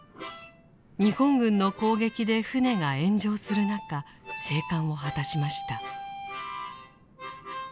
日本軍の攻撃で艦が炎上する中生還を果たしました。